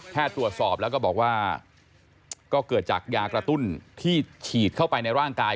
ตรวจสอบแล้วก็บอกว่าก็เกิดจากยากระตุ้นที่ฉีดเข้าไปในร่างกาย